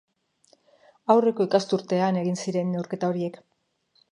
Aurreko ikasturtean egin ziren neurketa horiek.